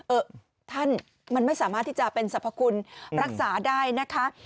เออท่านมันไม่สามารถที่จะเป็นสรรพคุณรักษาได้นะคะ